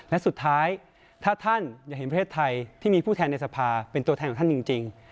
และสุดท้ายถ้าท่านอยากเห็นประเทศไทยที่มีผู้แทนในสภาเป็นตัวแทนของท่านจริง